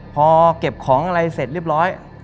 พอเก็บของอะไรเสร็จเรียบร้อย